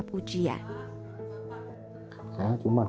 kehidupan memang tidak selamanya